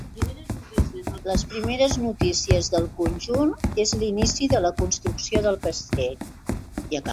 Les primeres notícies del conjunt és l'inici de la construcció del castell.